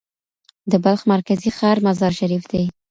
د بلخ مرکزي ښار مزار شریف دی.